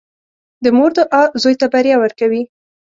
• د مور دعا زوی ته بریا ورکوي.